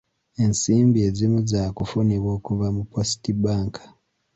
Ensimbi ezimu zaakufunibwa okuva mu Post Bank.